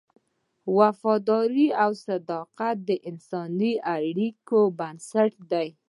وفاداري او صداقت د انساني اړیکو بنسټ دی.